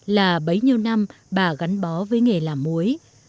là bấy nhiêu năm bà gắn bó với nghề làm muối